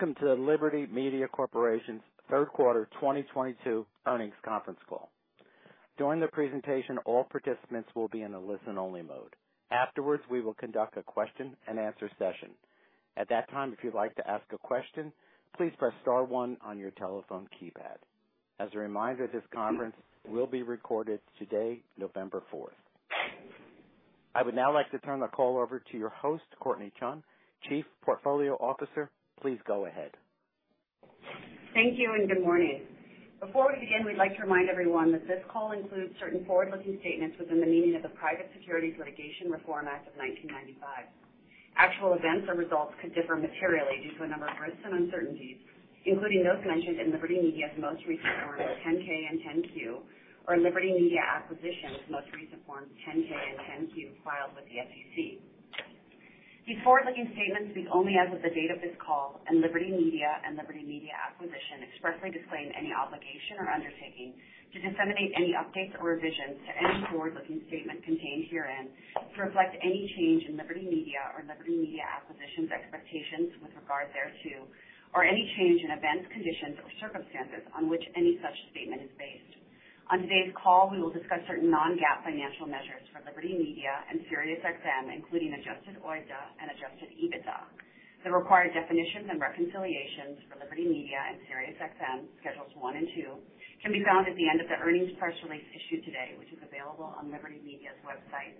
Welcome to Liberty Media Corporation's third quarter 2022 earnings conference call. During the presentation, all participants will be in a listen-only mode. Afterwards, we will conduct a question-and-answer session. At that time, if you'd like to ask a question, please press star one on your telephone keypad. As a reminder, this conference will be recorded today, November 4th. I would now like to turn the call over to your host, Courtnee Chun, Chief Portfolio Officer. Please go ahead. Thank you and good morning. Before we begin, we'd like to remind everyone that this call includes certain forward-looking statements within the meaning of the Private Securities Litigation Reform Act of 1995. Actual events or results could differ materially due to a number of risks and uncertainties, including those mentioned in Liberty Media Corporation's most recent Forms 10-K and 10-Q, or Liberty Media Acquisition Corporation's most recent Forms 10-K and 10-Q filed with the SEC. These forward-looking statements speak only as of the date of this call, and Liberty Media Corporation and Liberty Media Acquisition Corporation expressly disclaim any obligation or undertaking to disseminate any updates or revisions to any forward-looking statement contained herein to reflect any change in Liberty Media Corporation or Liberty Media Acquisition Corporation's expectations with regard thereto, or any change in events, conditions or circumstances on which any such statement is based. On today's call, we will discuss certain non-GAAP financial measures for Liberty Media and Sirius XM, including adjusted OIBDA and adjusted EBITDA. The required definitions and reconciliations for Liberty Media and Sirius XM, schedules one and two, can be found at the end of the earnings press release issued today, which is available on Liberty Media's website.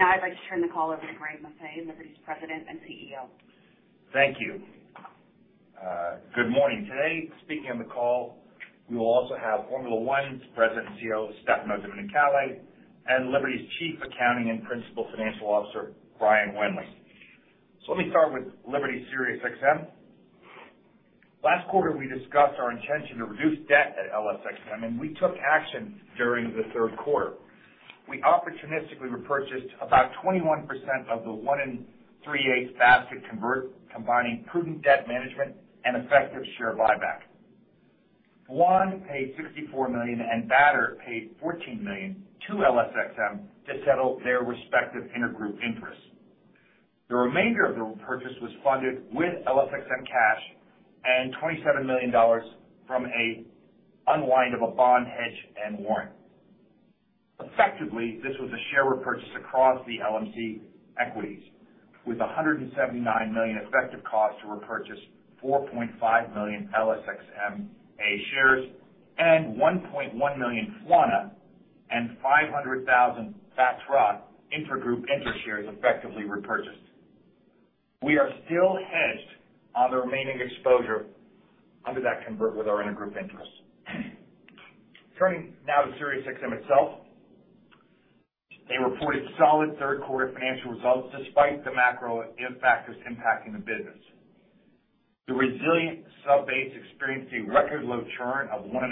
Now I'd like to turn the call over to Greg Maffei, Liberty's President and CEO. Thank you. Good morning. Today, speaking on the call, we will also have Formula One's President and CEO, Stefano Domenicali, and Liberty's Chief Accounting and Principal Financial Officer, Brian Wendling. Let me start with Liberty SiriusXM. Last quarter we discussed our intention to reduce debt at LSXMA, and we took action during the third quarter. We opportunistically repurchased about 21% of the 1 3/8 basket convertible, combining prudent debt management and effective share buyback. The one paid $64 million, and the other paid $14 million to LSXMA to settle their respective intergroup interests. The remainder of the repurchase was funded with LSXMA cash and $27 million from an unwind of a bond hedge and warrant. Effectively, this was a share repurchase across the LMC equities with $179 million effective cost to repurchase 4.5 million LSXMA shares and 1.1 million FWONA and 500,000 BATRA intergroup interest shares effectively repurchased. We are still hedged on the remaining exposure under that convert with our intergroup interest. Turning now to SiriusXM itself. They reported solid third quarter financial results despite the macro factors impacting the business. The resilient sub base experienced a record low churn of 1.5%.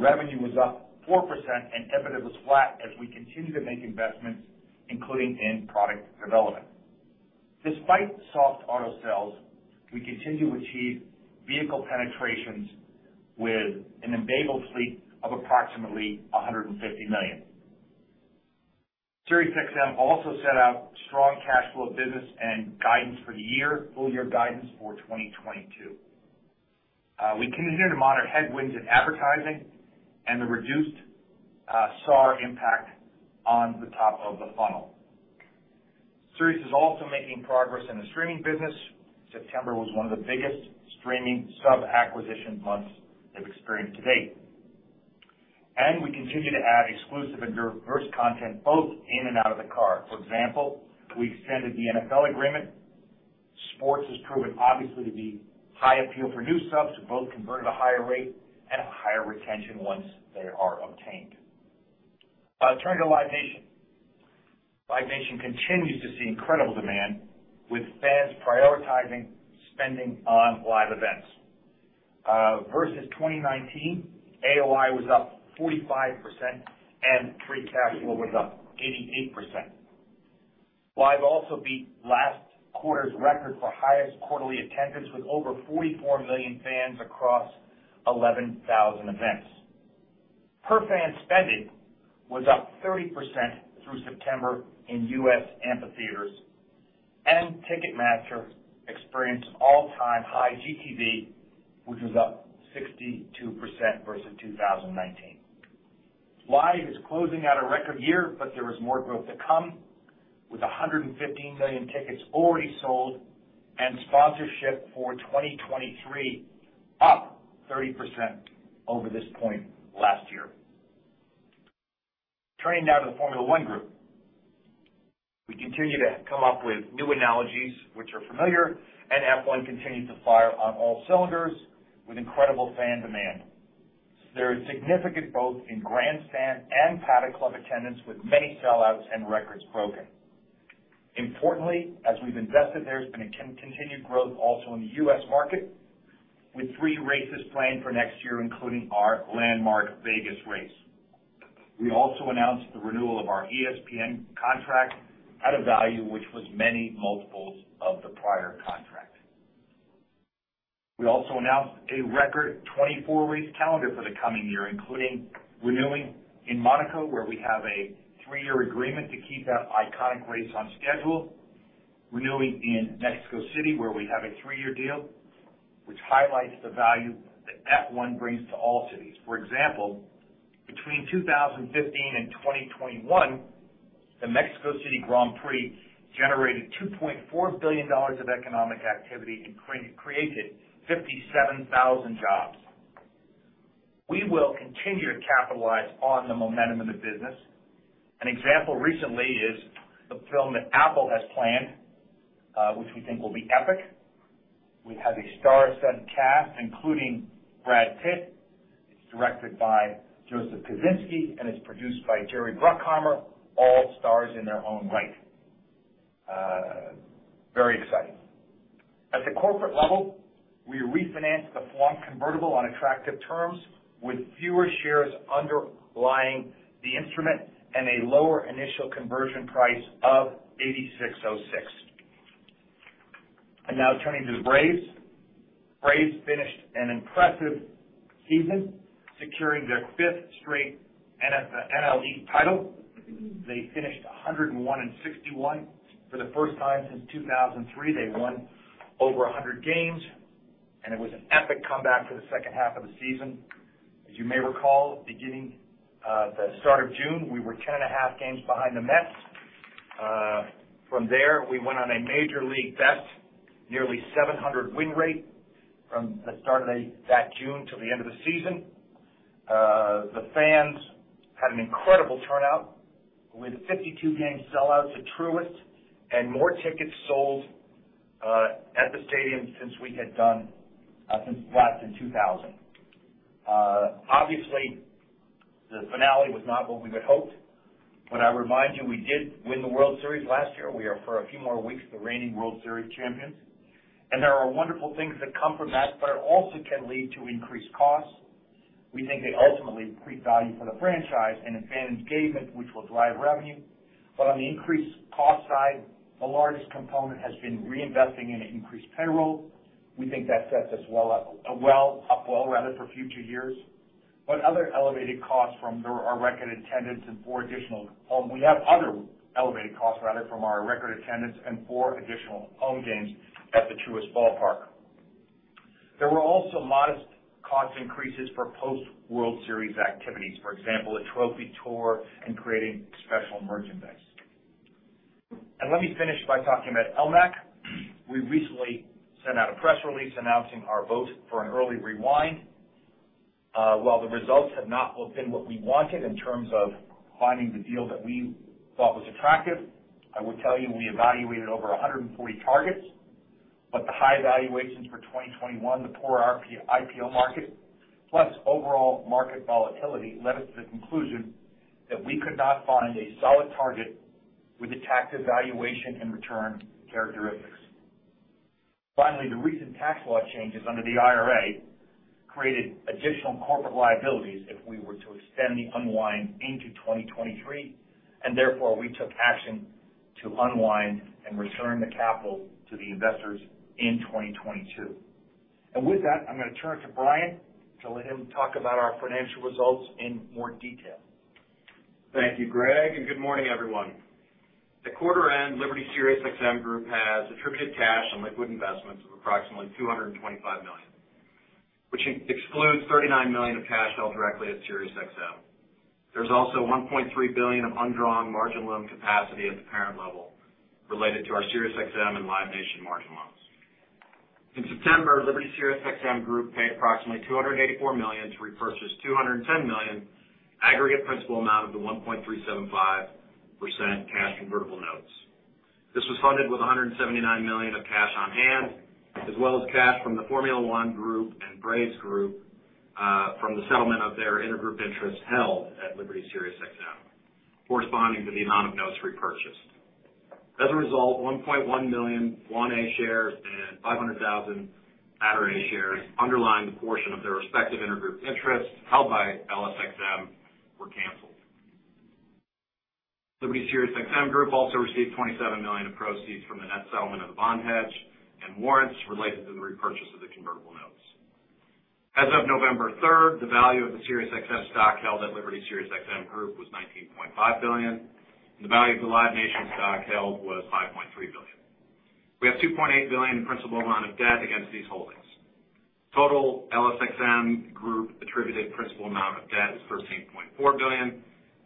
Revenue was up 4% and EBITDA was flat as we continue to make investments, including in product development. Despite soft auto sales, we continue to achieve vehicle penetrations with an enabled fleet of approximately 150 million. Sirius XM also set out strong cash flow business and guidance for the year, full year guidance for 2022. We continue to monitor headwinds in advertising and the reduced SAR impact on the top of the funnel. Sirius is also making progress in the streaming business. September was one of the biggest streaming sub-acquisition months they've experienced to date. We continue to add exclusive and diverse content both in and out of the car. For example, we extended the NFL agreement. Sports has proven obviously to be high appeal for new subs, who both convert at a higher rate and have higher retention once they are obtained. Turning to Live Nation. Live Nation continues to see incredible demand, with fans prioritizing spending on live events. Versus 2019, AOI was up 45% and free cash flow was up 88%. Live also beat last quarter's record for highest quarterly attendance, with over 44 million fans across 11,000 events. Per fan spending was up 30% through September in U.S. amphitheaters, and Ticketmaster experienced an all-time high GTV, which was up 62% versus 2019. Live is closing out a record year, but there is more growth to come, with 115 million tickets already sold and sponsorship for 2023 up 30% over this point last year. Turning now to the Formula One Group. We continue to come up with new analogies which are familiar, and F1 continues to fire on all cylinders with incredible fan demand. There is significant growth in grandstand and Paddock Club attendance, with many sellouts and records broken. Importantly, as we've invested, there's been continued growth also in the U.S. market, with three races planned for next year, including our landmark Vegas race. We also announced the renewal of our ESPN contract at a value which was many multiples of the prior contract. We also announced a record 24-race calendar for the coming year, including renewing in Monaco, where we have a three-year agreement to keep that iconic race on schedule. Renewing in Mexico City, where we have a three-year deal, which highlights the value that F1 brings to all cities. For example, between 2015 and 2021, the Mexico City Grand Prix generated $2.4 billion of economic activity and created 57,000 jobs. We will continue to capitalize on the momentum of the business. An example recently is the film that Apple has planned, which we think will be epic. We have a star-studded cast, including Brad Pitt. It's directed by Joseph Kosinski and is produced by Jerry Bruckheimer, all stars in their own right. Very exciting. At the corporate level, we refinanced the FWON convertible on attractive terms with fewer shares underlying the instrument and a lower initial conversion price of $86.06. Now turning to the Braves. Braves finished an impressive season, securing their fifth straight NL East title. They finished 101 and 61. For the first time since 2003, they won over 100 games, and it was an epic comeback for the second half of the season. As you may recall, beginning the start of June, we were 10.5 games behind the Mets. From there, we went on a Major League best, nearly 700 win rate from the start of that June till the end of the season. The fans had an incredible turnout, with 52 game sellouts at Truist and more tickets sold at the stadium since we had done since last in 2000. Obviously the finale was not what we had hoped, but I remind you, we did win the World Series last year. We are, for a few more weeks, the reigning World Series champions, and there are wonderful things that come from that, but it also can lead to increased costs. We think they ultimately create value for the franchise and in fan engagement, which will drive revenue. On the increased cost side, the largest component has been reinvesting in increased payroll. We think that sets us up well, rather, for future years. We have other elevated costs, rather, from our record attendance and four additional home games at the Truist ballpark. There were also modest cost increases for post-World Series activities. For example, a trophy tour and creating special merchandise. Let me finish by talking about LMAC. We recently sent out a press release announcing our vote for an early wind down. While the results have not been what we wanted in terms of finding the deal that we thought was attractive, I will tell you, we evaluated over 140 targets, but the high valuations for 2021, the poor IPO market, plus overall market volatility led us to the conclusion that we could not find a solid target with attractive valuation and return characteristics. Finally, the recent tax law changes under the IRA created additional corporate liabilities if we were to extend the unwind into 2023, and therefore we took action to unwind and return the capital to the investors in 2022. With that, I'm gonna turn it to Brian to let him talk about our financial results in more detail. Thank you, Greg, and good morning, everyone. At quarter end, Liberty SiriusXM Group has attributed cash on liquid investments of approximately $225 million, which includes $39 million of cash held directly at SiriusXM. There's also $1.3 billion of undrawn margin loan capacity at the parent level related to our SiriusXM and Live Nation margin loans. In September, Liberty SiriusXM Group paid approximately $284 million to repurchase $210 million aggregate principal amount of the 1.375% cash convertible notes. This was funded with $179 million of cash on hand, as well as cash from the Formula One Group and Braves Group from the settlement of their intergroup interests held at Liberty SiriusXM, corresponding to the amount of notes repurchased. As a result, 1.1 million Series A shares and 500,000 A shares underlying the portion of their respective intergroup interests held by LSXM were canceled. Liberty SiriusXM Group also received $27 million of proceeds from the net settlement of the bond hedge and warrants related to the repurchase of the convertible notes. As of November third, the value of the SiriusXM stock held at Liberty SiriusXM Group was $19.5 billion, and the value of the Live Nation stock held was $5.3 billion. We have $2.8 billion in principal amount of debt against these holdings. Total LSXM Group attributed principal amount of debt is $13.4 billion,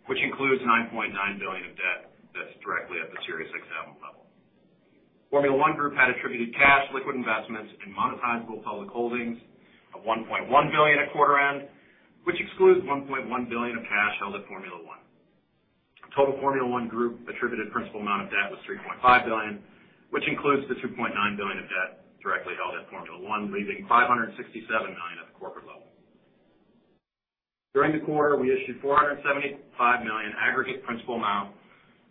which includes $9.9 billion of debt that's directly at the SiriusXM level. Formula One Group had attributed cash, liquid investments, and monetizable public holdings of $1.1 billion at quarter end, which excludes $1.1 billion of cash held at Formula One. Total Formula One Group attributed principal amount of debt was $3.5 billion, which includes the $2.9 billion of debt directly held at Formula One, leaving $567 million at the corporate level. During the quarter, we issued $475 million aggregate principal amount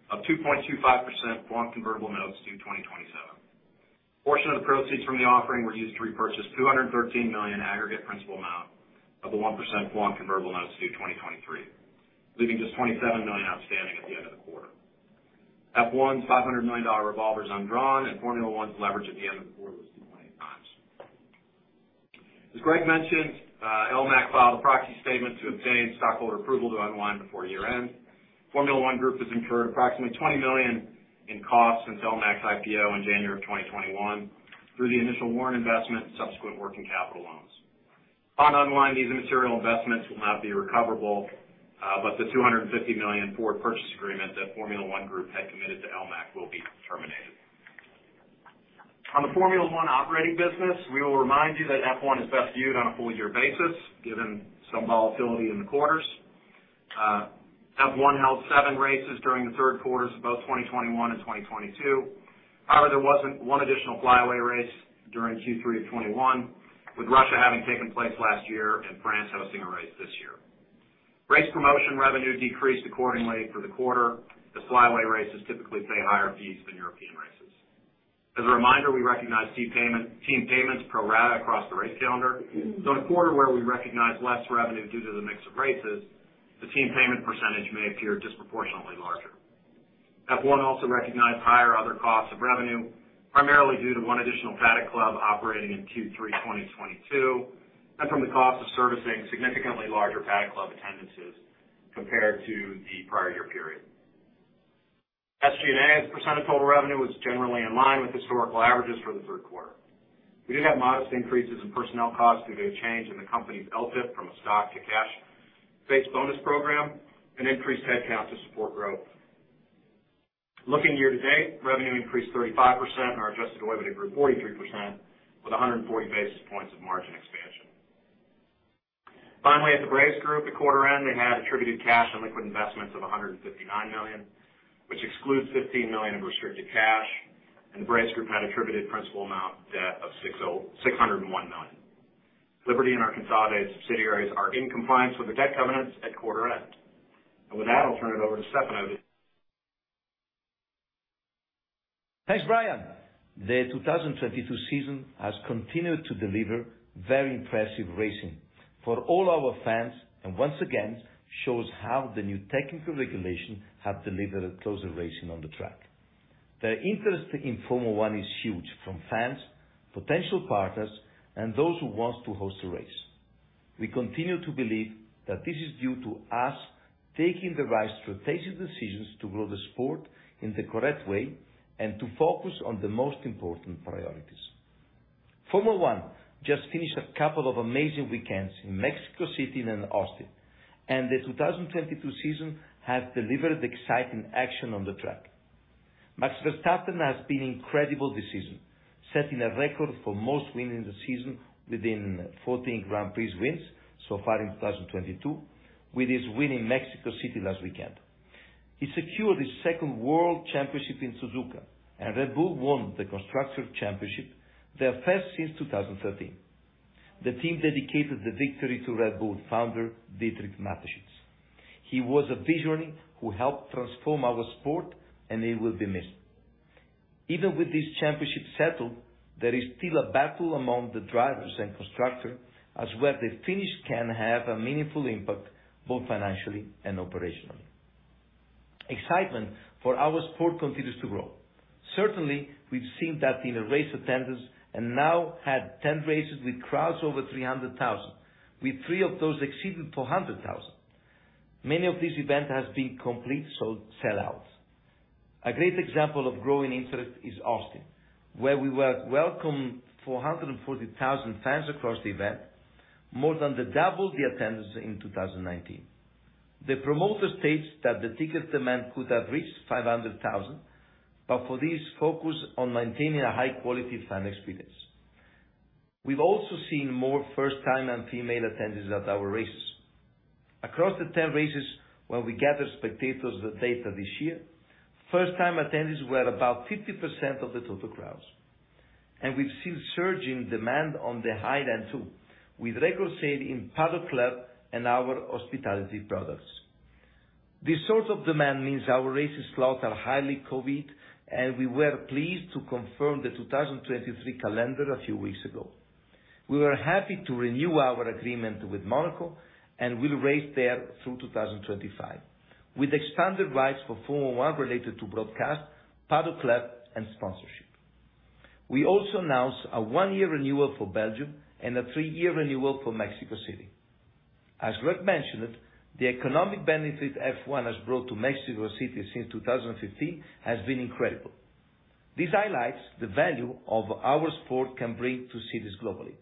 of 2.25% FOMC convertible notes due 2027. Portion of the proceeds from the offering were used to repurchase $213 million aggregate principal amount of the 1% FOMC convertible notes due 2023, leaving just $27 million outstanding at the end of the quarter. F1's $500 million revolver is undrawn and Formula One's leverage at the end of the quarter was 2.8x. As Greg mentioned, LMAC filed a proxy statement to obtain stockholder approval to unwind before year-end. Formula One Group has incurred approximately $20 million in costs since LMAC's IPO in January of 2021 through the initial warrant investment and subsequent working capital loans. Upon unwind, these material investments will not be recoverable, but the $250 million forward purchase agreement that Formula One Group had committed to LMAC will be terminated. On the Formula One operating business, we will remind you that F1 is best viewed on a full year basis, given some volatility in the quarters. F1 held seven races during the third quarters of both 2021 and 2022. However, there wasn't one additional flyaway race during Q3 of 2021, with Russia having taken place last year and France hosting a race this year. Race promotion revenue decreased accordingly for the quarter. The flyaway races typically pay higher fees than European races. As a reminder, we recognize team payment, team payments pro rata across the race calendar. In a quarter where we recognize less revenue due to the mix of races, the team payment percentage may appear disproportionately larger. F1 also recognized higher other costs of revenue, primarily due to one additional Paddock Club operating in Q3 2022, and from the cost of servicing significantly larger Paddock Club attendances compared to the prior year period. SG&A as a percent of total revenue was generally in line with historical averages for the third quarter. We did have modest increases in personnel costs due to a change in the company's LTIP from a stock to cash-based bonus program and increased headcount to support growth. Looking year to date, revenue increased 35% and our adjusted OIBDA grew 43% with 140 basis points of margin expansion. Finally, at the Formula One Group, at quarter end, they had attributed cash and liquid investments of $159 million, which excludes $15 million of restricted cash, and the Formula One Group had attributed principal amount debt of $601 million. Liberty and our consolidated subsidiaries are in compliance with their debt covenants at quarter end. With that, I'll turn it over to Stefano. Thanks, Brian. The 2022 season has continued to deliver very impressive racing for all our fans, and once again, shows how the new technical regulations have delivered a closer racing on the track. The interest in Formula One is huge from fans, potential partners, and those who want to host a race. We continue to believe that this is due to us taking the right strategic decisions to grow the sport in the correct way and to focus on the most important priorities. Formula One just finished a couple of amazing weekends in Mexico City and in Austin, and the 2022 season has delivered exciting action on the track. Max Verstappen has been incredible this season, setting a record for most wins in the season with 14 Grand Prix wins so far in 2022, with his win in Mexico City last weekend. He secured his second world championship in Suzuka, and Red Bull won the Constructors' Championship, their first since 2013. The team dedicated the victory to Red Bull founder Dietrich Mateschitz. He was a visionary who helped transform our sport and he will be missed. Even with this championship settled, there is still a battle among the drivers and constructors, as to where they finish can have a meaningful impact both financially and operationally. Excitement for our sport continues to grow. Certainly, we've seen that in race attendance and now we have 10 races with crowds over 300,000, with three of those exceeding 400,000. Many of these events have been complete sellouts. A great example of growing interest is Austin, where we welcomed 440,000 fans across the event, more than double the attendance in 2019. The promoter states that the ticket demand could have reached 500,000, but for this focus on maintaining a high quality fan experience. We've also seen more first-time and female attendees at our races. Across the 10 races where we gathered spectators' data this year, first-time attendees were about 50% of the total crowds. We've seen surging demand on the high-end, too, with record sales in Paddock Club and our hospitality products. This sort of demand means our races slots are highly coveted, and we were pleased to confirm the 2023 calendar a few weeks ago. We were happy to renew our agreement with Monaco, and will race there through 2025, with expanded rights for Formula One related to broadcast, Paddock Club, and sponsorship. We also announced a one-year renewal for Belgium and a three-year renewal for Mexico City. As Greg mentioned, the economic benefit F1 has brought to Mexico City since 2015 has been incredible. This highlights the value of our sport can bring to cities globally.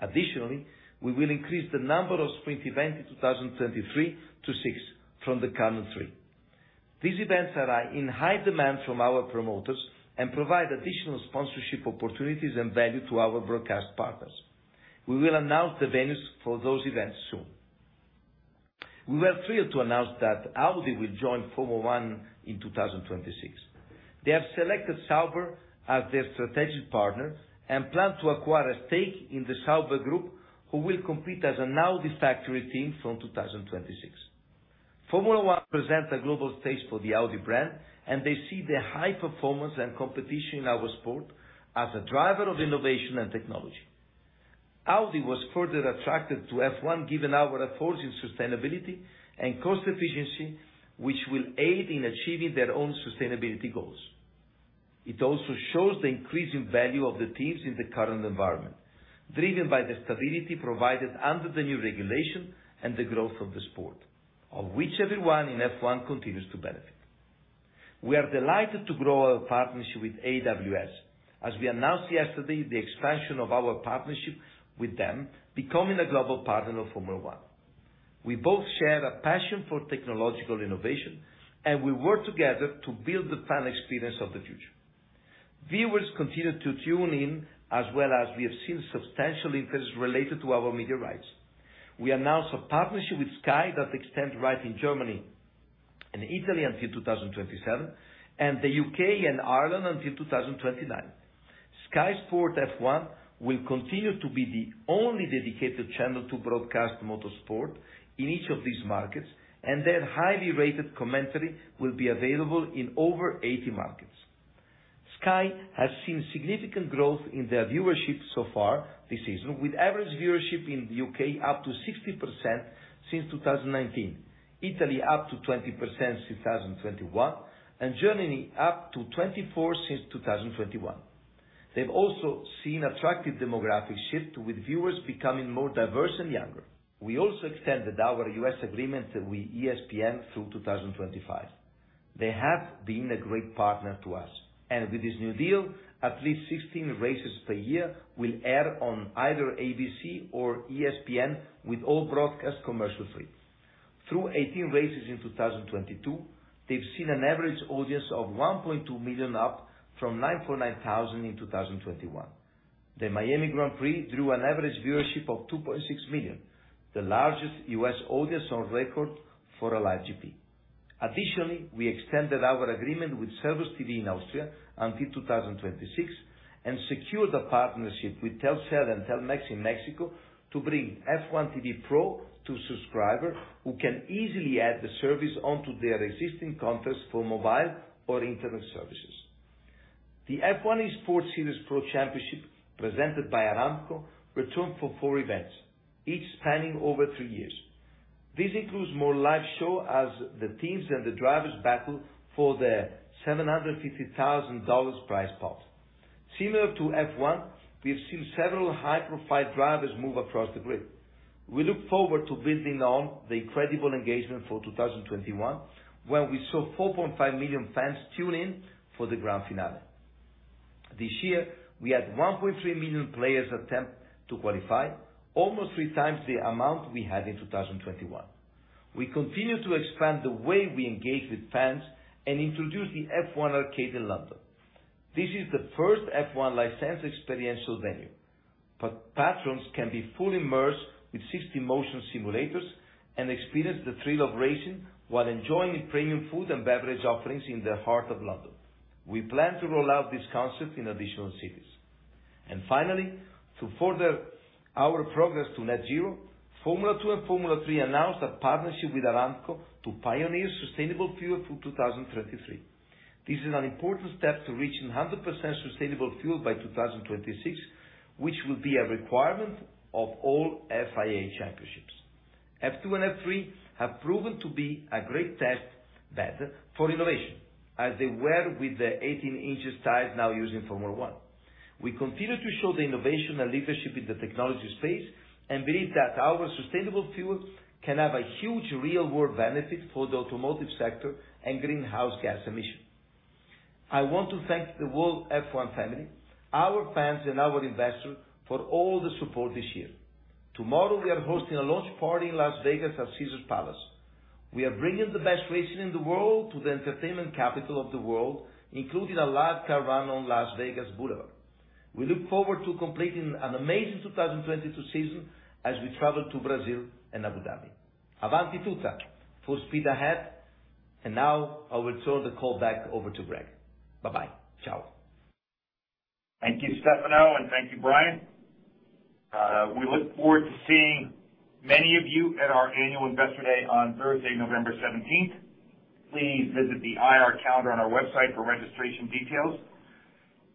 Additionally, we will increase the number of sprint events in 2023 to six from the current three. These events are in high demand from our promoters and provide additional sponsorship opportunities and value to our broadcast partners. We will announce the venues for those events soon. We were thrilled to announce that Audi will join Formula One in 2026. They have selected Sauber as their strategic partner and plan to acquire a stake in the Sauber group, who will compete as an Audi factory team from 2026. Formula One presents a global stage for the Audi brand, and they see the high performance and competition in our sport as a driver of innovation and technology. Audi was further attracted to F1 given our approach in sustainability and cost efficiency, which will aid in achieving their own sustainability goals. It also shows the increasing value of the teams in the current environment, driven by the stability provided under the new regulation and the growth of the sport, of which everyone in F1 continues to benefit. We are delighted to grow our partnership with AWS as we announced yesterday the expansion of our partnership with them becoming a global partner of Formula One. We both share a passion for technological innovation, and we work together to build the fan experience of the future. Viewers continue to tune in as well as we have seen substantial interest related to our media rights. We announced a partnership with Sky that extends rights in Germany and Italy until 2027, and the UK and Ireland until 2029. Sky Sports F1 will continue to be the only dedicated channel to broadcast motorsport in each of these markets, and their highly rated commentary will be available in over 80 markets. Sky has seen significant growth in their viewership so far this season, with average viewership in the UK up 60% since 2019, Italy up 20% since 2021, and Germany up 24% since 2021. They've also seen attractive demographic shift, with viewers becoming more diverse and younger. We also extended our U.S. agreement with ESPN through 2025. They have been a great partner to us, and with this new deal, at least 16 races per year will air on either ABC or ESPN, with all broadcasts commercial-free. Through 18 races in 2022, they've seen an average audience of 1.2 million, up from 9.9 thousand in 2021. The Miami Grand Prix drew an average viewership of 2.6 million, the largest U.S. audience on record for a live GP. Additionally, we extended our agreement with ServusTV in Austria until 2026 and secured a partnership with Telcel and Telmex in Mexico to bring F1 TV Pro to subscribers who can easily add the service onto their existing contracts for mobile or internet services. The F1 Esports Series Pro Championship, presented by Aramco, returned for four events, each spanning over three years. This includes more live show as the teams and the drivers battle for the $750,000 prize pot. Similar to F1, we have seen several high-profile drivers move across the grid. We look forward to building on the incredible engagement for 2021, where we saw 4.5 million fans tune in for the Grand Finale. This year, we had 1.3 million players attempt to qualify, almost 3x the amount we had in 2021. We continue to expand the way we engage with fans and introduce the F1 Arcade in London. This is the first F1 licensed experiential venue. Patrons can be fully immersed with 60 motion simulators and experience the thrill of racing while enjoying premium food and beverage offerings in the heart of London. We plan to roll out this concept in additional cities. Finally, to further our progress to net zero, Formula Two and Formula Three announced a partnership with Aramco to pioneer sustainable fuel through 2033. This is an important step to reaching 100% sustainable fuel by 2026, which will be a requirement of all FIA championships. F2 and F3 have proven to be a great test bed for innovation, as they were with the 18-inch tires now used in Formula One. We continue to show the innovation and leadership in the technology space and believe that our sustainable fuel can have a huge real-world benefit for the automotive sector and greenhouse gas emission. I want to thank the world F1 family, our fans and our investors for all the support this year. Tomorrow, we are hosting a launch party in Las Vegas at Caesars Palace. We are bringing the best racing in the world to the entertainment capital of the world, including a live car run on Las Vegas Boulevard. We look forward to completing an amazing 2022 season as we travel to Brazil and Abu Dhabi. Avanti tutta. Full speed ahead. Now, I will turn the call back over to Greg. Bye-bye. Ciao. Thank you, Stefano, and thank you, Brian. We look forward to seeing many of you at our annual investor day on Thursday, November 17. Please visit the IR calendar on our website for registration details.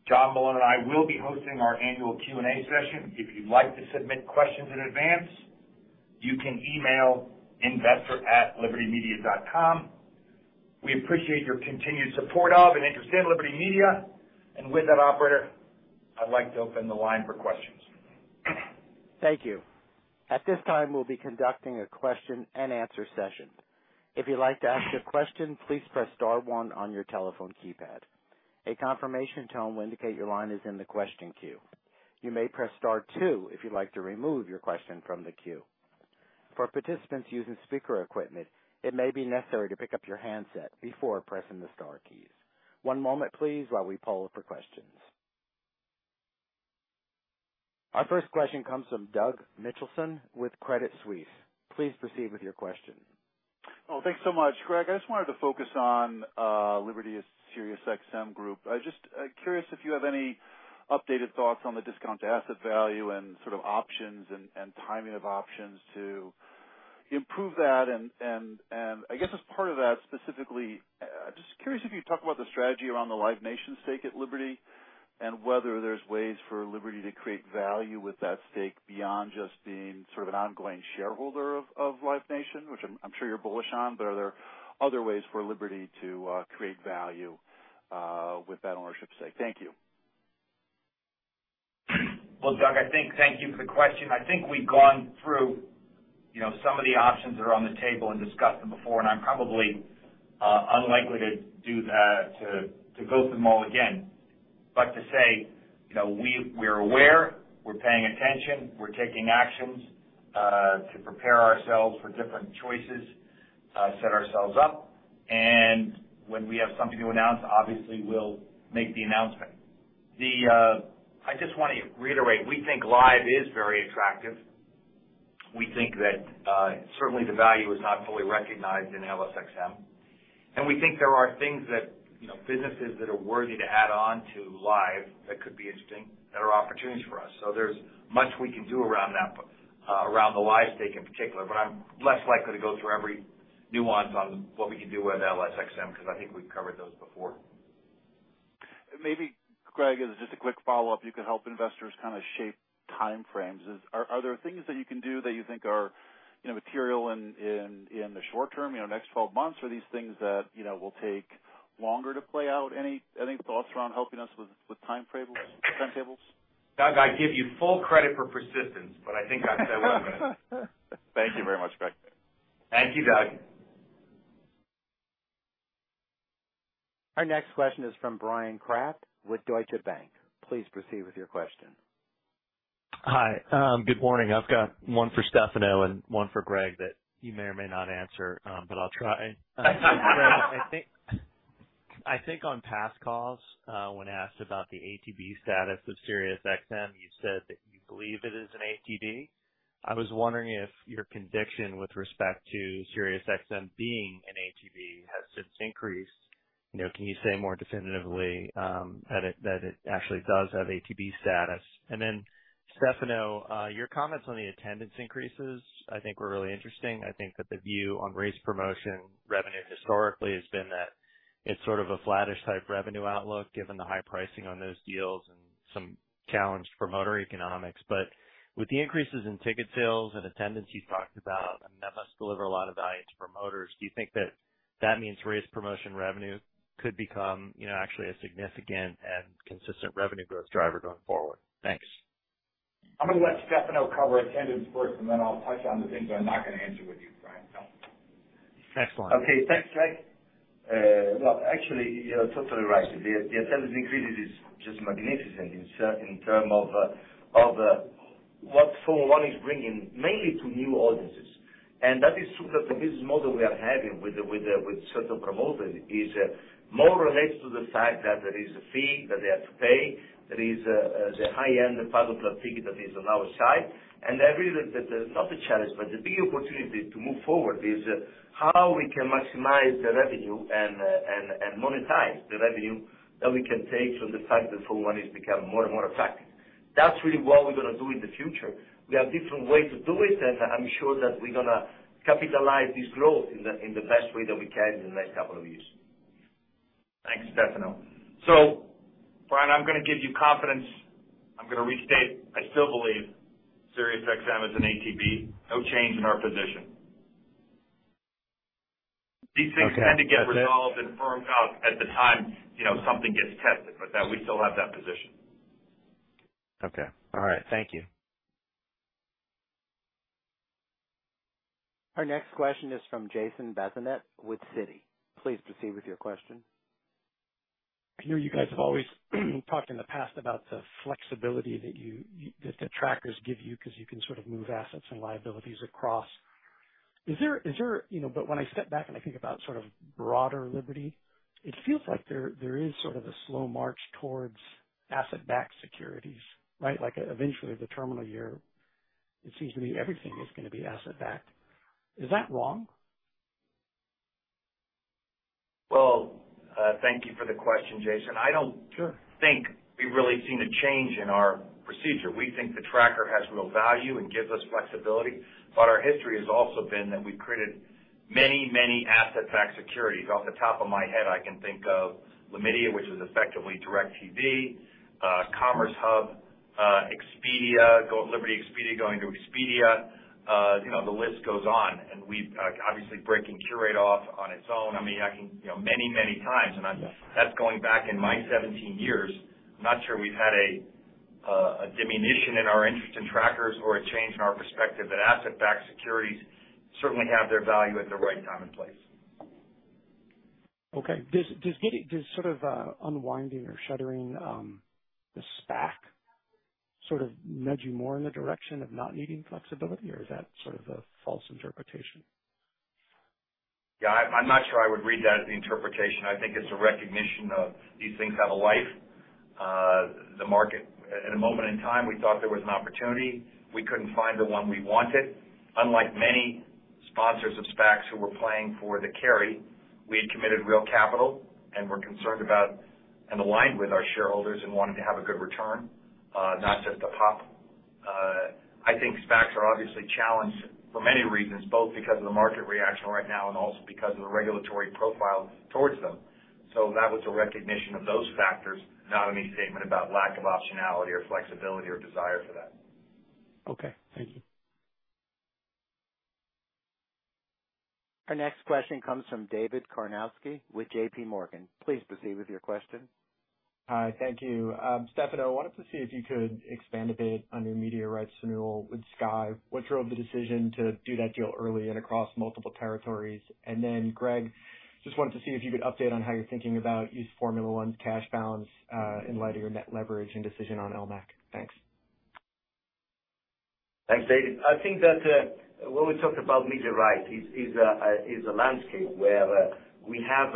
John Malone and I will be hosting our annual Q&A session. If you'd like to submit questions in advance, you can email investor@libertymedia.com. We appreciate your continued support of and interest in Liberty Media. With that, operator, I'd like to open the line for questions. Thank you. At this time, we'll be conducting a question and answer session. If you'd like to ask a question, please press star one on your telephone keypad. A confirmation tone will indicate your line is in the question queue. You may press star two if you'd like to remove your question from the queue. For participants using speaker equipment, it may be necessary to pick up your handset before pressing the star keys. One moment, please, while we poll for questions. Our first question comes from Doug Mitchelson with Credit Suisse. Please proceed with your question. Oh, thanks so much. Greg, I just wanted to focus on Liberty SiriusXM Group. I was just curious if you have any updated thoughts on the discount to asset value and sort of options and timing of options to Improve that and I guess as part of that, specifically, just curious if you could talk about the strategy around the Live Nation stake at Liberty and whether there's ways for Liberty to create value with that stake beyond just being sort of an ongoing shareholder of Live Nation, which I'm sure you're bullish on, but are there other ways for Liberty to create value with that ownership stake? Thank you. Well, Doug, thank you for the question. I think we've gone through, you know, some of the options that are on the table and discussed them before, and I'm probably unlikely to do that, to go through them all again. To say, you know, we're aware, we're paying attention, we're taking actions to prepare ourselves for different choices, set ourselves up. When we have something to announce, obviously we'll make the announcement. I just want to reiterate, we think Live is very attractive. We think that certainly the value is not fully recognized in LSXMA. We think there are things that, you know, businesses that are worthy to add on to Live that could be interesting, that are opportunities for us. There's much we can do around that, around the Live stake in particular, but I'm less likely to go through every nuance on what we can do with LSXMA because I think we've covered those before. Maybe, Greg, as just a quick follow-up, you could help investors kind of shape time frames. Are there things that you can do that you think are, you know, material in the short term, you know, next 12 months? Or are these things that, you know, will take longer to play out? Any thoughts around helping us with time frames, timetables? Doug, I give you full credit for persistence, but I think I've said what I'm gonna say. Thank you very much, Greg. Thank you, Doug. Our next question is from Bryan Kraft with Deutsche Bank. Please proceed with your question. Hi. Good morning. I've got one for Stefano and one for Greg that you may or may not answer, but I'll try. Greg, I think on past calls, when asked about the ATB status of SiriusXM, you said that you believe it is an ATB. I was wondering if your conviction with respect to SiriusXM being an ATB has since increased. You know, can you say more definitively that it actually does have ATB status? Stefano, your comments on the attendance increases I think were really interesting. I think that the view on race promotion revenue historically has been that it's sort of a flattish type revenue outlook, given the high pricing on those deals and some challenged promoter economics. With the increases in ticket sales and attendance you talked about, I mean, that must deliver a lot of value to promoters. Do you think that that means race promotion revenue could become, you know, actually a significant and consistent revenue growth driver going forward? Thanks. I'm gonna let Stefano cover attendance first, and then I'll touch on the things I'm not gonna answer with you, Bryan. Excellent. Okay. Thanks, Greg. Well, actually, you're totally right. The attendance increase is just magnificent in terms of what Formula One is bringing mainly to new audiences. That's true that the business model we are having with certain promoters is more related to the fact that there is a fee that they have to pay. There is the high-end Paddock Club ticket that is on our side. I believe that not the challenge, but the big opportunity to move forward is how we can maximize the revenue and monetize the revenue that we can take from the fact that Formula One has become more and more attractive. That's really what we're gonna do in the future. We have different ways to do it, and I'm sure that we're gonna capitalize this growth in the best way that we can in the next couple of years. Thanks, Stefano. Bryan, I'm gonna give you confidence. I'm gonna restate. I still believe SiriusXM is an ATB. No change in our position. Okay. These things tend to get resolved and firmed up at the time, you know, something gets tested. That we still have that position. Okay. All right. Thank you. Our next question is from Jason Bazinet with Citi. Please proceed with your question. I know you guys have always talked in the past about the flexibility that the trackers give you, 'cause you can sort of move assets and liabilities across. You know, when I step back and I think about sort of broader Liberty, it feels like there is sort of a slow march towards asset-backed securities, right? Like eventually the terminal year, it seems to me everything is gonna be asset-backed. Is that wrong? Well, thank you for the question, Jason. Sure. I don't think we've really seen a change in our procedure. We think the tracker has real value and gives us flexibility. Our history has also been that we've created many, many asset-backed securities. Off the top of my head, I can think of Liberty, which is effectively DirecTV, CommerceHub, Expedia, Liberty Expedia going to Expedia. You know, the list goes on. We've obviously breaking Qurate off on its own. I mean, I can. You know, many, many times. Yeah. That's going back in my 17 years. I'm not sure we've had a diminution in our interest in trackers or a change in our perspective that asset-backed securities certainly have their value at the right time and place. Okay. Does sort of unwinding or shuttering the SPAC sort of nudge you more in the direction of not needing flexibility, or is that sort of a false interpretation? Yeah, I'm not sure I would read that as the interpretation. I think it's a recognition of these things have a life. The market at a moment in time, we thought there was an opportunity. We couldn't find the one we wanted. Unlike many sponsors of SPACs who were playing for the carry. We had committed real capital and we're concerned about and aligned with our shareholders in wanting to have a good return, not just a pop. I think SPACs are obviously challenged for many reasons, both because of the market reaction right now and also because of the regulatory profile towards them. That was a recognition of those factors, not any statement about lack of optionality or flexibility or desire for that. Okay. Thank you. Our next question comes from David Karnovsky with JP Morgan. Please proceed with your question. Hi. Thank you. Stefano, I wanted to see if you could expand a bit on your media rights renewal with Sky. What drove the decision to do that deal early and across multiple territories? Greg, just wanted to see if you could update on how you're thinking about using Formula One's cash balance, in light of your net leverage and decision on LMAC. Thanks. Thanks, David. I think that when we talk about media rights is a landscape where we have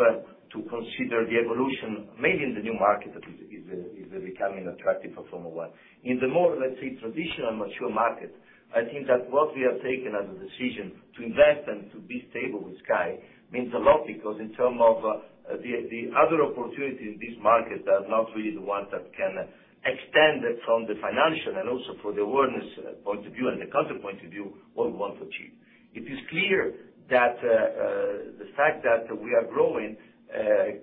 to consider the evolution, maybe in the new market that is becoming attractive for Formula One. In the more, let's say, traditional mature market, I think that what we have taken as a decision to invest and to be stable with Sky means a lot because in terms of the other opportunity in this market are not really the one that can extend from the financial and also for the awareness point of view and the content point of view, what we want to achieve. It is clear that, the fact that we are growing,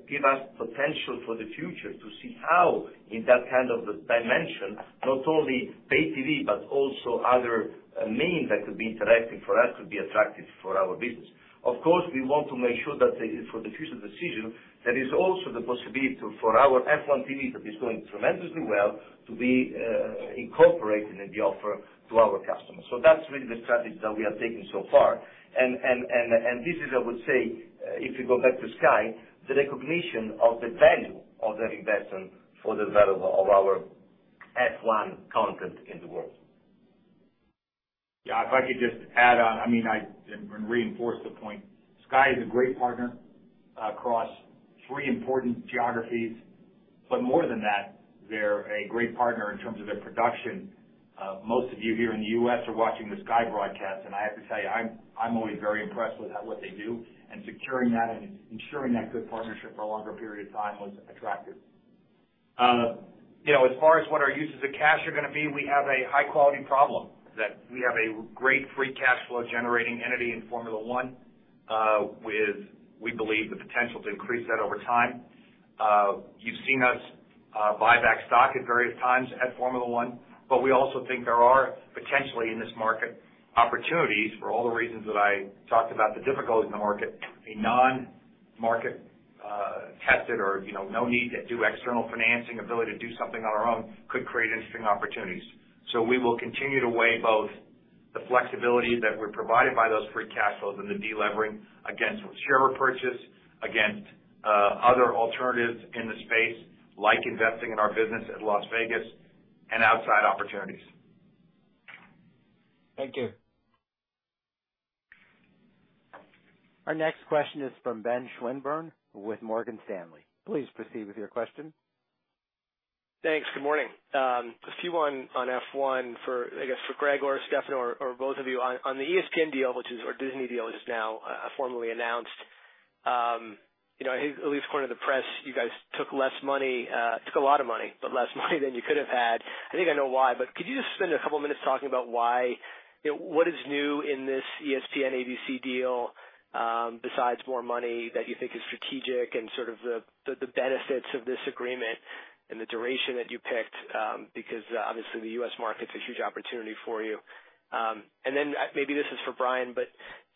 give us potential for the future to see how in that kind of a dimension, not only pay TV, but also other means that could be interacting for us could be attractive for our business. Of course, we want to make sure that the for the future decision, there is also the possibility for our F1 TV, that is doing tremendously well, to be, incorporated in the offer to our customers. So that's really the strategy that we are taking so far. This is, I would say, if you go back to Sky, the recognition of the value of that investment for the value of our F1 content in the world. Yeah. If I could just add on, I mean, and reinforce the point. Sky is a great partner across three important geographies, but more than that, they're a great partner in terms of their production. Most of you here in the U.S. are watching the Sky broadcast, and I have to tell you, I'm always very impressed with what they do. Securing that and ensuring that good partnership for a longer period of time was attractive. You know, as far as what our uses of cash are gonna be, we have a high quality problem that we have a great free cash flow generating entity in Formula One, with we believe, the potential to increase that over time. You've seen us buy back stock at various times at Formula One, but we also think there are potentially in this market opportunities for all the reasons that I talked about the difficulty in the market, a non-market tested or, you know, no need to do external financing ability to do something on our own could create interesting opportunities. We will continue to weigh both the flexibility that we're provided by those free cash flows and the delevering against share repurchase, against other alternatives in the space, like investing in our business at Las Vegas and outside opportunities. Thank you. Our next question is from Ben Swinburne with Morgan Stanley. Please proceed with your question. Thanks. Good morning. A few on F1 for, I guess, Greg or Stefano or both of you. On the ESPN deal, which is our Disney deal just now, formally announced. You know, I hear at least according to the press, you guys took less money, took a lot of money, but less money than you could have had. I think I know why, but could you just spend a couple of minutes talking about why, you know, what is new in this ESPN-ABC deal, besides more money that you think is strategic and sort of the benefits of this agreement and the duration that you picked, because obviously the U.S. Market's a huge opportunity for you. Then maybe this is for Brian, but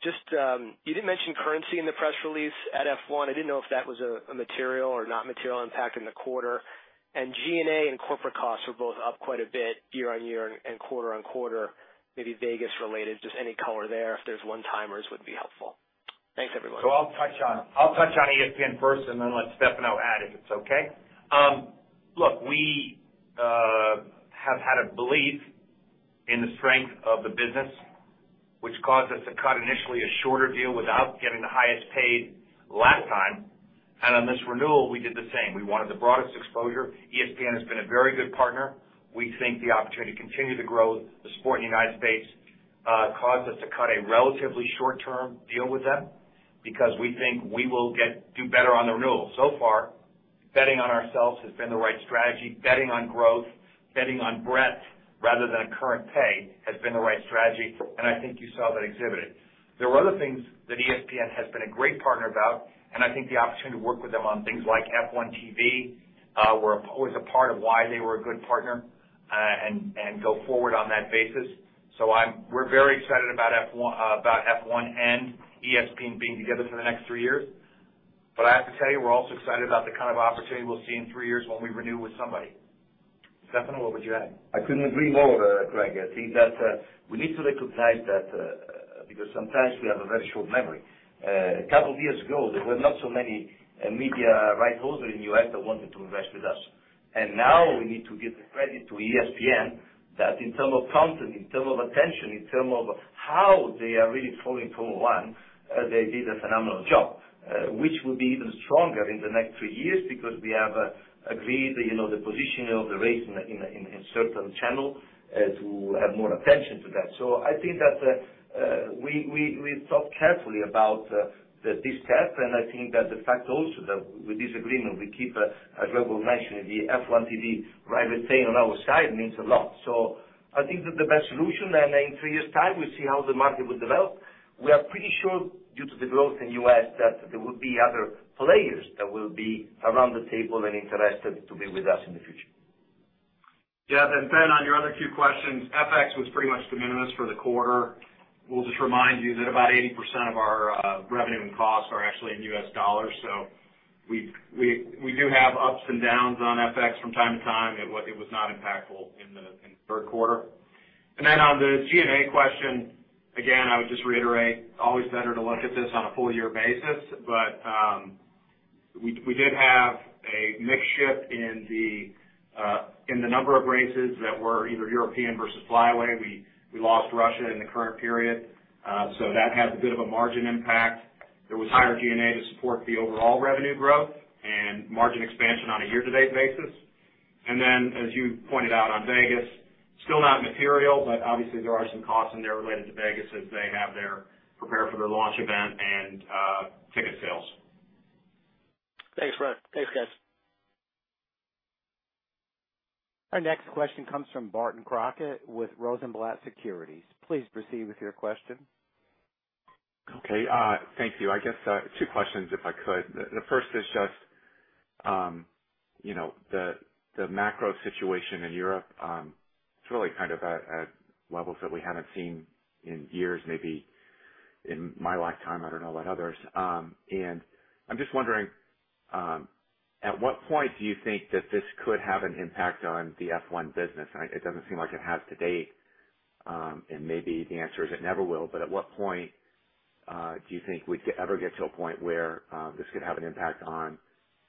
just you didn't mention currency in the press release at F1. I didn't know if that was a material or not material impact in the quarter. G&A and corporate costs were both up quite a bit year-over-year and quarter-over-quarter, maybe Vegas related. Just any color there, if there's one-timers would be helpful. Thanks, everyone. I'll touch on ESPN first and then let Stefano add if it's okay. Look, we have had a belief in the strength of the business, which caused us to cut initially a shorter deal without getting the highest pay last time. On this renewal, we did the same. We wanted the broadest exposure. ESPN has been a very good partner. We think the opportunity to continue to grow the sport in the United States caused us to cut a relatively short term deal with them because we think we will do better on the renewal. Betting on ourselves has been the right strategy. Betting on growth, betting on breadth rather than a current pay has been the right strategy, and I think you saw that exhibited. There were other things that ESPN has been a great partner about, and I think the opportunity to work with them on things like F1 TV were always a part of why they were a good partner, and go forward on that basis. We're very excited about F1 and ESPN being together for the next three years. I have to tell you, we're also excited about the kind of opportunity we'll see in three years when we renew with somebody. Stefano, what would you add? I couldn't agree more, Greg. I think that, we need to recognize that, because sometimes we have a very short memory. A couple of years ago, there were not so many, media rights holder in U.S. that wanted to invest with us. Now we need to give the credit to ESPN, that in terms of content, in terms of attention, in terms of how they are really following Formula One, they did a phenomenal job, which will be even stronger in the next three years because we have, agreed that, you know, the positioning of the race in a certain channel, to have more attention to that. I think that we thought carefully about this step, and I think that the fact also that with this agreement we keep, as Live Nation, the F1 TV rights retained on our side means a lot. I think that's the best solution. In three years' time, we see how the market will develop. We are pretty sure due to the growth in U.S., that there will be other players that will be around the table and interested to be with us in the future. Yeah, Ben, on your other two questions, FX was pretty much de minimis for the quarter. We'll just remind you that about 80% of our revenue and costs are actually in U.S. dollars. So we do have ups and downs on FX from time to time. It was not impactful in the third quarter. On the G&A question, again, I would just reiterate, always better to look at this on a full year basis. We did have a mix shift in the number of races that were either European versus fly-away. We lost Russia in the current period, so that had a bit of a margin impact. There was higher G&A to support the overall revenue growth and margin expansion on a year-to-date basis. As you pointed out on Vegas, still not material, but obviously there are some costs in there related to Vegas as they prepare for their launch event and ticket sales. Thanks, Greg. Thanks, guys. Our next question comes from Barton Crockett with Rosenblatt Securities. Please proceed with your question. Okay, thank you. I guess, two questions if I could. The first is just, you know, the macro situation in Europe, it's really kind of at levels that we haven't seen in years, maybe in my lifetime. I don't know about others. I'm just wondering, at what point do you think that this could have an impact on the F1 business? It doesn't seem like it has to date. Maybe the answer is it never will, but at what point do you think we'd ever get to a point where this could have an impact on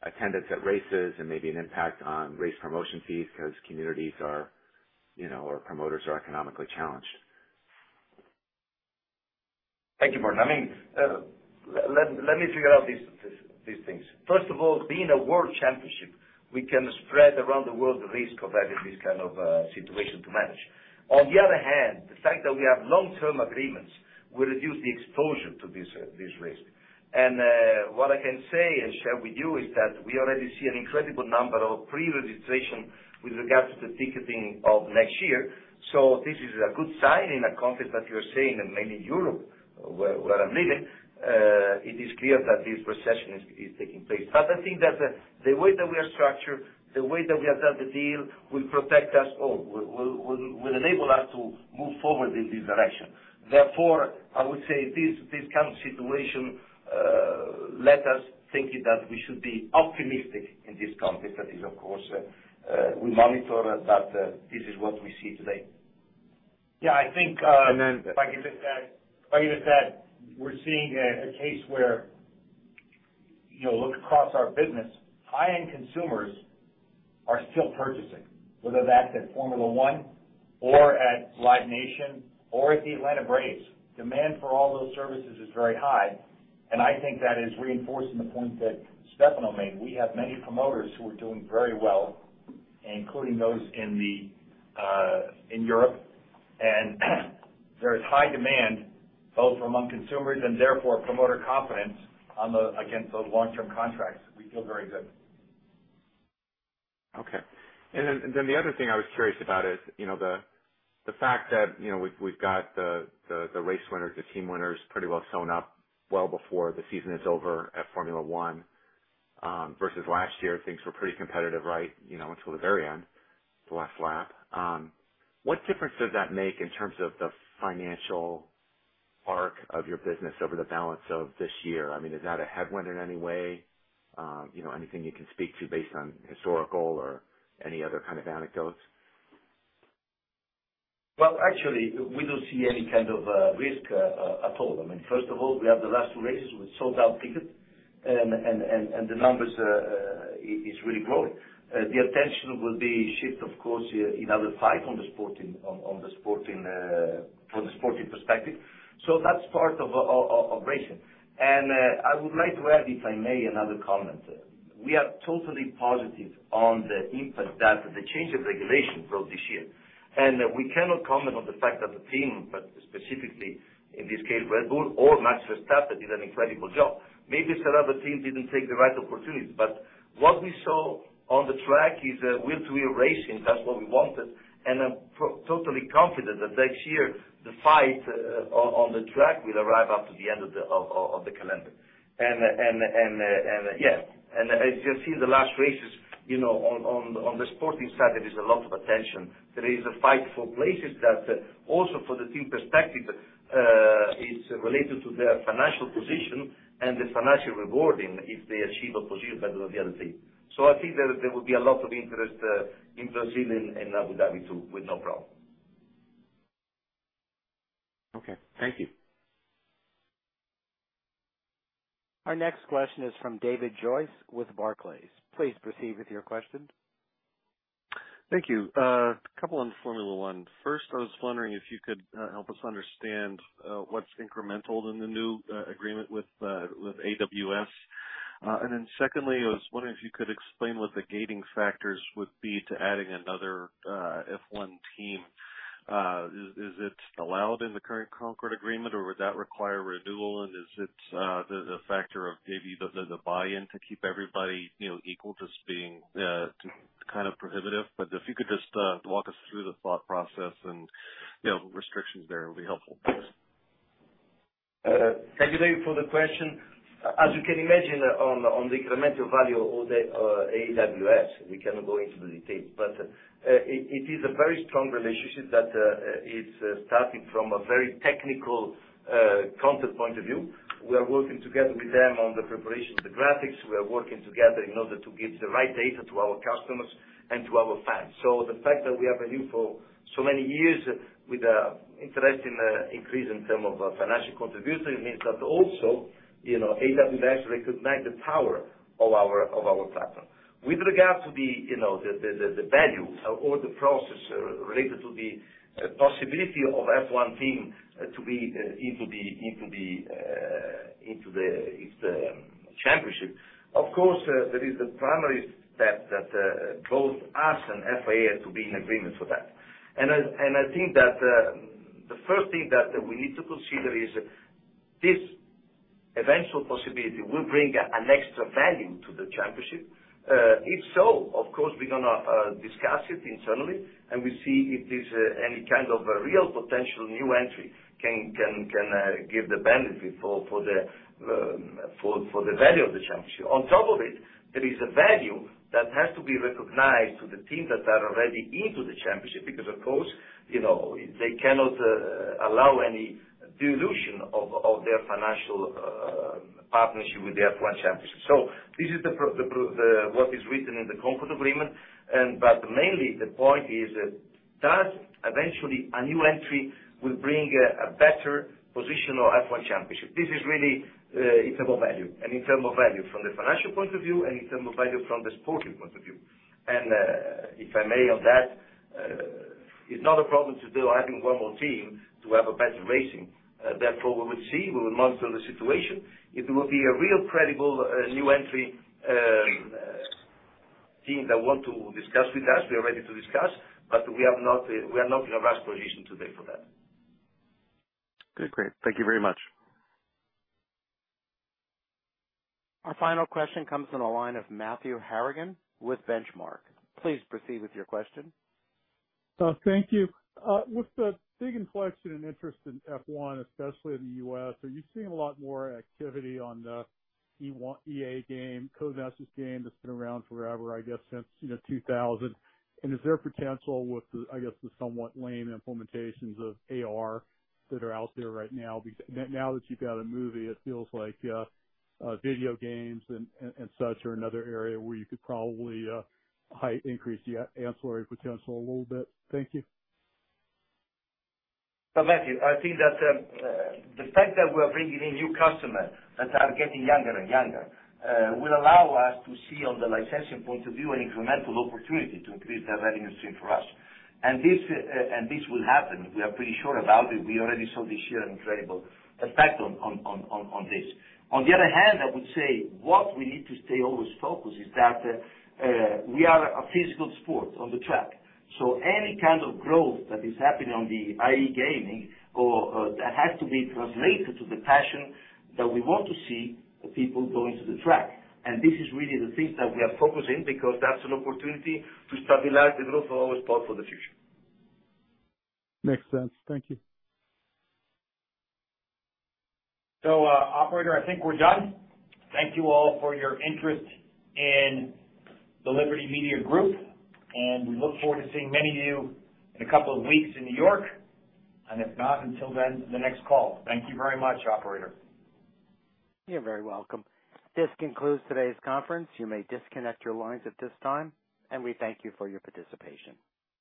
attendance at races and maybe an impact on race promotion fees because communities are, you know, or promoters are economically challenged? Thank you, Barton. I mean, let me figure out these things. First of all, being a world championship, we can spread around the world the risk of having this kind of situation to manage. On the other hand, the fact that we have long-term agreements will reduce the exposure to this risk. What I can say and share with you is that we already see an incredible number of pre-registration with regards to ticketing of next year. This is a good sign in a context that you're saying in mainly Europe where I'm living, it is clear that this recession is taking place. I think that the way that we are structured, the way that we have done the deal will protect us or will enable us to move forward in this direction. Therefore, I would say this current situation lets us think that we should be optimistic in this context. That is of course, we monitor, but this is what we see today. Yeah, I think. If I could just add, we're seeing a case where, you know, look across our business, high-end consumers are still purchasing, whether that's at Formula One or at Live Nation or at the Atlanta Braves. Demand for all those services is very high, and I think that is reinforcing the point that Stefano made. We have many promoters who are doing very well, including those in Europe. There is high demand both among consumers and therefore promoter confidence against those long-term contracts. We feel very good. Okay. The other thing I was curious about is, you know, the fact that, you know, we've got the race winners, the team winners pretty well sewn up well before the season is over at Formula One, versus last year things were pretty competitive, right, you know, until the very end, the last lap. What difference does that make in terms of the financial arc of your business over the balance of this year? I mean, is that a headwind in any way? You know, anything you can speak to based on historical or any other kind of anecdotes? Well, actually, we don't see any kind of risk at all. I mean, first of all, we have the last two races with sold-out tickets and the numbers is really growing. The attention will be shift, of course, in our fight on the sporting, on the sporting, from the sporting perspective. That's part of operation. I would like to add, if I may, another comment. We are totally positive on the impact that the change of regulation brought this year. We cannot comment on the fact that the team, but specifically in this case, Red Bull or Max Verstappen, did an incredible job. Maybe some other teams didn't take the right opportunities, but what we saw on the track is wheel-to-wheel racing. That's what we wanted, and I'm totally confident that next year the fight on the track will arrive up to the end of the calendar. Yeah. As you've seen the last races, you know, on the sporting side, there is a lot of attention. There is a fight for places that also for the team perspective is related to their financial position and the financial rewarding if they achieve a position better than the other team. I think there will be a lot of interest in Brazil and Abu Dhabi too, with no problem. Okay. Thank you. Our next question is from David Joyce with Barclays. Please proceed with your question. Thank you. A couple on Formula One. First, I was wondering if you could help us understand what's incremental in the new agreement with AWS. Then secondly, I was wondering if you could explain what the gating factors would be to adding another F1 team. Is it allowed in the current Concorde Agreement, or would that require renewal? Is it the factor of maybe the buy-in to keep everybody, you know, equal just being kind of prohibitive. If you could just walk us through the thought process and, you know, restrictions there, it would be helpful. Thank you, David, for the question. As you can imagine, on the incremental value of the AWS, we cannot go into the details. It is a very strong relationship that is starting from a very technical content point of view. We are working together with them on the preparation of the graphics. We are working together in order to give the right data to our customers and to our fans. The fact that we have a renewal for so many years with an interest in increase in terms of financial contribution means that also, you know, AWS recognize the power of our platform. With regard to the, you know, the value or the process related to the possibility of F1 team to be into the championship. Of course, there is the primary step that both of us and the FIA to be in agreement for that. I think that the first thing that we need to consider is this eventual possibility will bring an extra value to the championship. If so, of course, we're gonna discuss it internally, and we see if this any kind of a real potential new entry can give the benefit for the value of the championship. On top of it, there is a value that has to be recognized to the teams that are already into the championship because of course, you know, they cannot allow any dilution of their financial partnership with the F1 championship. This is what is written in the Concorde Agreement. Mainly the point is that eventually a new entry will bring a better position of F1 championship. This is really in terms of value and in terms of value from the financial point of view and in terms of value from the sporting point of view. If I may add that, it's not a problem to do adding one more team to have a better racing. Therefore, we will see. We will monitor the situation. If it will be a real credible new entry team that want to discuss with us, we are ready to discuss, but we are not in a rush position today for that. Okay, great. Thank you very much. Our final question comes from the line of Matthew Harrigan with Benchmark. Please proceed with your question. Thank you. With the big inflection and interest in F1, especially in the U.S., are you seeing a lot more activity on the EA game, Codemasters game that's been around forever, I guess, since, you know, 2000? Is there potential with the, I guess, the somewhat lame implementations of AR that are out there right now? Now that you've got a movie, it feels like video games and such are another area where you could probably heighten the ancillary potential a little bit. Thank you. Matthew, I think that the fact that we're bringing in new customers that are getting younger and younger will allow us to see on the licensing point of view an incremental opportunity to increase the revenue stream for us. This will happen. We are pretty sure about it. We already saw this year an incredible effect on this. On the other hand, I would say what we need to stay always focused is that we are a physical sport on the track. Any kind of growth that is happening on the F1 gaming or that has to be translated to the passion that we want to see people going to the track. This is really the thing that we are focusing because that's an opportunity to stabilize the growth of our sport for the future. Makes sense. Thank you. Operator, I think we're done. Thank you all for your interest in the Liberty Media Corporation, and we look forward to seeing many of you in a couple of weeks in New York. If not, until then, the next call. Thank you very much, operator. You're very welcome. This concludes today's conference. You may disconnect your lines at this time, and we thank you for your participation.